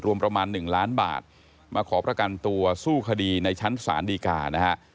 ประมาณ๑ล้านบาทมาขอประกันตัวสู้คดีในชั้นศาลดีกานะฮะ